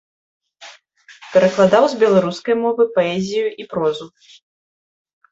Перакладаў з беларускай мовы паэзію і прозу.